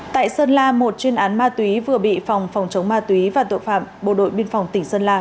tại sơn la một chuyên án ma túy vừa bị phòng phòng chống ma túy và tội phạm bộ đội biên phòng tỉnh sơn la